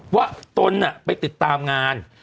ว่าต้นไปติดตามงาน